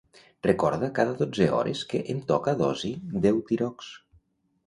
Recorda cada dotze hores que em toca dosi d'Eutirox.